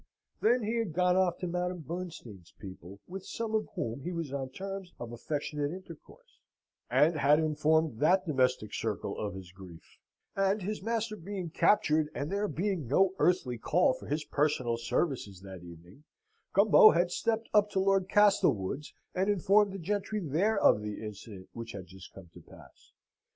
Then he had gone off to Madame Bernstein's people, with some of whom he was on terms of affectionate intercourse, and had informed that domestic circle of his grief and, his master being captured, and there being no earthly call for his personal services that evening, Gumbo had stepped up to Lord Castlewood's, and informed the gentry there of the incident which had just come to pass.